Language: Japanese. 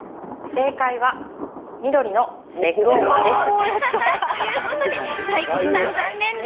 正解は緑のレッグウォーマーです。